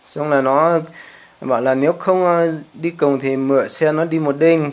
xong là nó bảo là nếu không đi cùng thì mượn xe nó đi một đêm